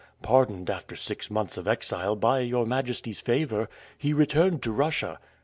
Pardoned after six months of exile by your majesty's favor, he returned to Russia."